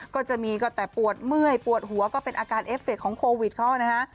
ก็จะมีก็แต่ปวดเมื่อยปวดหัวก็เป็นอาการเอฟเฟคของโควิดเขานะฮะ